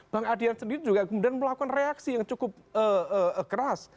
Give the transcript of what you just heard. bang adian sendiri juga kemudian melakukan reaksi yang cukup keras